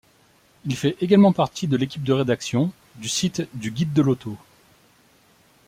Il fait également partie de l'équipe de rédaction du site du Guide de l'auto.